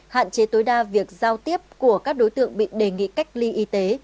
hạn chế tối đa việc giao tiếp của các đối tượng bị đề nghị cách ly y tế